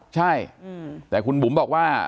ใช่แต่คุณบุ๋มบอกว่า